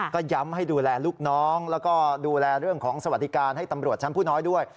ก็ย้ำให้ดูแลลูกน้องแล้วก็ดูแลเรื่องของสวัสดิการให้ตำรวจชั้นผู้น้อยด้วย